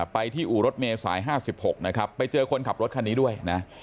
ไปที่อู่รถเมย์สาย๕๖นะครับไปเจอคนขับรถคันนี้ด้วยนะ